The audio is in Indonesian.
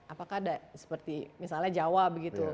apakah ada seperti misalnya jawa begitu